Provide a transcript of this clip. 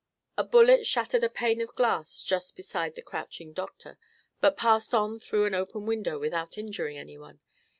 A bullet shattered a pane of glass just beside the crouching doctor, but passed on through an open window without injuring anyone.